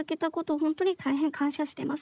本当に大変感謝しています。